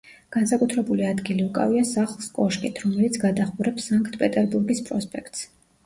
განსაკუთრებული ადგილი უკავია სახლს კოშკით, რომელიც გადაჰყურებს სანქტ-პეტერბურგის პროსპექტს.